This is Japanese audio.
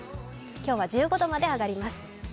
今日は１５度まで上がります。